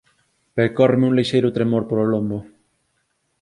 Percórreme un lixeiro tremor polo lombo.